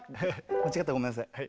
間違ったらごめんなさい。